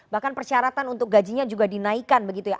bahkan persyaratan untuk gajinya juga dinaikkan begitu ya